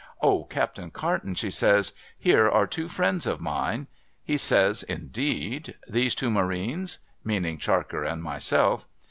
' O, Captain Carton,' she says, ' here are two friends of mine !' He says, ' Indeed ? These two Marines ?'— meaning Charker and self.